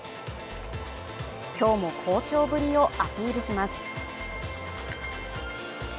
今日も好調ぶりをアピールします